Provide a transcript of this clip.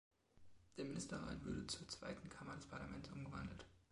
Der Ministerrat würde zur zweiten Kammer des Parlaments umgewandelt.